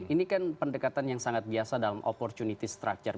ini kan pendekatan yang sangat biasa dalam opportunity structure